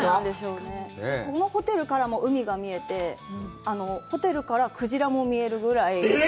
このホテルからも海が見えて、ホテルからクジラも見えるぐらい。